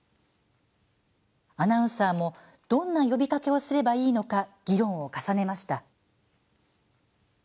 アナウンサーもどんな呼びかけをすればいいのか議論を重ねました。